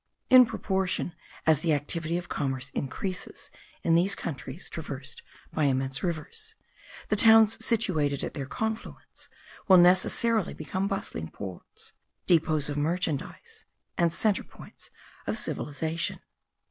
In proportion as the activity of commerce increases in these countries traversed by immense rivers, the towns situated at their confluence will necessarily become bustling ports, depots of merchandise, and centre points of civilization.